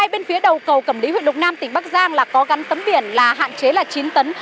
bên phía đầu cầu cẩm lý huyện lục nam tỉnh bắc giang là có gắn tấm biển là hạn chế là chín tấn